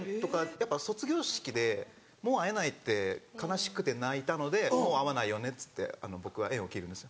やっぱ卒業式でもう会えないって悲しくて泣いたのでもう会わないよねっつって僕は縁を切るんです。